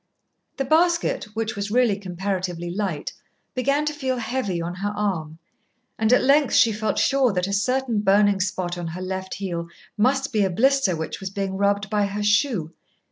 The basket, which was really comparatively light, began to feel heavy on her arm, and at length she felt sure that a certain burning spot on her left heel must be a blister which was being rubbed by her shoe.